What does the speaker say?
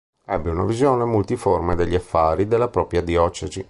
Ebbe una visione multiforme degli affari della propria diocesi.